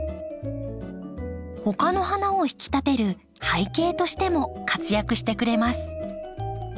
ほかの花を引き立てる背景としても活躍してくれます。